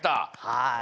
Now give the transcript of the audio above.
はい。